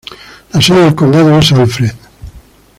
La sede del condado es Alfred.